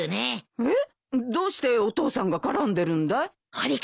えっどうしてお父さんが絡んでるんだい？